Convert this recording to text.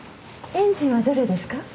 エンジンはどれですか？